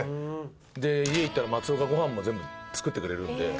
家行ったら松尾がご飯も全部作ってくれるんで。